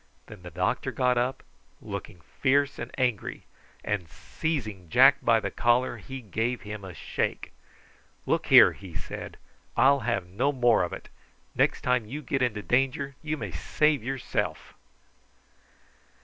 Then the doctor got up, looking fierce and angry, and seizing Jack by the collar he gave him a shake. "Look here," he said. "I'll have no more of it. Next time you get into danger, you may save yourself."